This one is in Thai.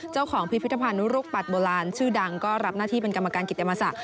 พิพิธภัณฑ์ลูกปัดโบราณชื่อดังก็รับหน้าที่เป็นกรรมการกิจมศาส